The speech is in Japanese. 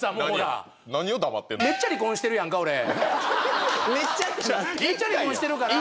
めっちゃ離婚してるから。